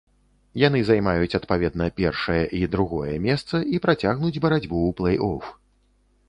Яны займаюць адпаведна першае і другое месца і працягнуць барацьбу ў плэй-оф.